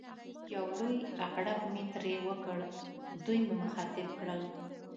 یو لوی غړپ مې ترې وکړ، دوی مې مخاطب کړل.